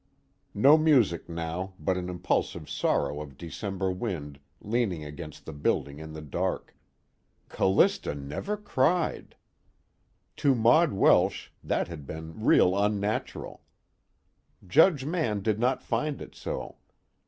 No music now, but an impulsive sorrow of December wind leaning against the building in the dark. "Callista never cried." To Maud Welsh, that had been "real unnatural." Judge Mann did not find it so.